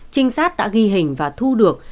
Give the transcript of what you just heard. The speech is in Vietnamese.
trinh sát đã ghi hình và thu được